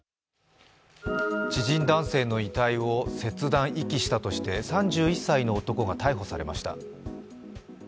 知人男性の遺体を切断・遺棄したとして３１歳の男が逮捕されました。